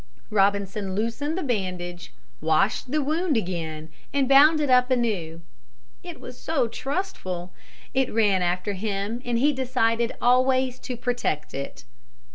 Robinson loosened the bandage, washed the wound again and bound it up anew. It was so trustful. It ran after him and he decided always to protect it.